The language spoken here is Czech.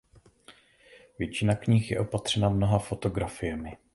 Většina knih je opatřena mnoha fotografiemi.